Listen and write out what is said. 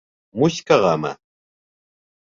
Муськағамы?